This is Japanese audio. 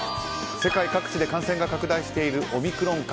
世界各地で感染が拡大しているオミクロン株。